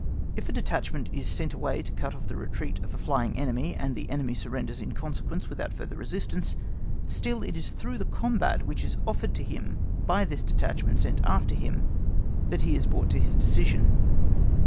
If a detachment is sent away to cut off the retreat of a flying enemy, and the enemy surrenders in consequence without further resistance, still it is through the combat which is offered to him by this detachment sent after him that he is brought to his decision.